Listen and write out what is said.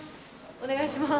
お願いします。